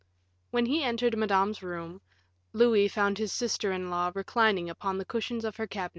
When he entered Madame's room, Louis found his sister in law reclining upon the cushions of her cabinet.